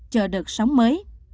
chờ đợt sống mới